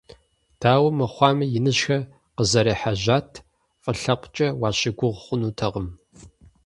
Дауэ мыхъуами, иныжьхэр къызэрехьэжьат, фӀы лъэпкъкӏи уащыгугъ хъунутэкъым.